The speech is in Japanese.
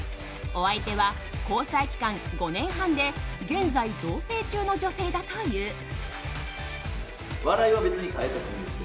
お相手は、交際期間５年半で現在、同棲中の女性だという。